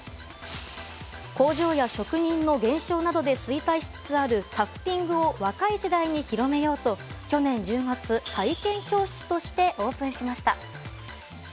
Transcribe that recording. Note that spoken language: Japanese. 工場や職人の減少などで衰退しつつあるタフティングを若い世代に広めようと去年１０月、体験教室としてオープンしました。